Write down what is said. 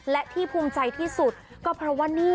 และที่ภูมิใจที่สุดก็เพราะว่านี่